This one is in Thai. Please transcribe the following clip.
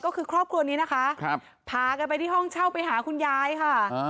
ก็คือครอบครัวนี้นะคะพากันไปที่ห้องเช่าไปหาคุณยายค่ะ